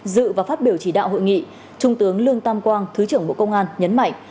dự và phát biểu chỉ đạo hội nghị trung tướng lương tam quang thứ trưởng bộ công an nhấn mạnh